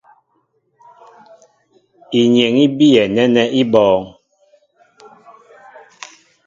Inyeŋ í biyɛ nɛ́nɛ́ í bɔ̄ɔ̄ŋ.